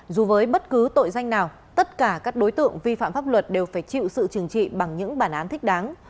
dù với bất cứ tội danh nào tất cả các đối tượng vi phạm pháp luật đều phải chịu sự trừng trị bằng những bản án thích đáng